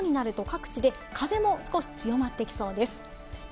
また午後になると各地で風も少し強まってきそうです。